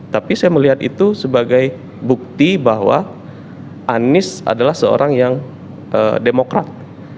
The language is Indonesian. tapi saya melihat itu sebagai bukti bahwa anies adalah seorang yang demokrat